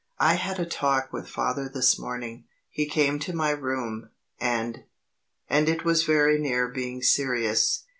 "I had a talk with Father this morning. He came to my room, and and it was very near being serious.